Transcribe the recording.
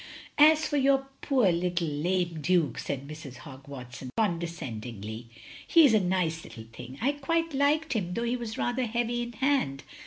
"As for your poor, little, lame Duke," said Mrs. Hogg Watson, condescendingly. "He is a nice little thing. I quite liked him, though he was rather heavy in hand.